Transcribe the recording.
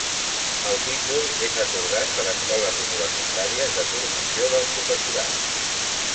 El títol és atorgat per escoles universitàries de formació del professorat.